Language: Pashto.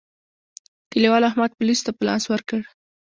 کلیوالو احمد پوليسو ته په لاس ورکړ.